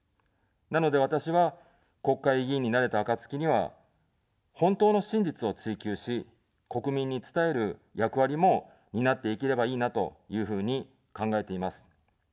なので、私は、国会議員になれた暁には、本当の真実を追求し、国民に伝える役割も担っていければいいなというふうに考えています。